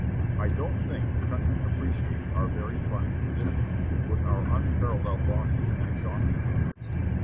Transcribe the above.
"I don't think the country appreciates our very trying position, with our unparalleled losses and exhausting efforts.